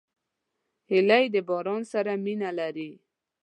هیلۍ د باران سره مینه لري